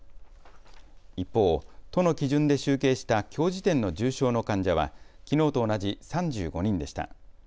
一方、都の基準で集計したきょう時点の重症の患者はきのうと同じ３５人でした。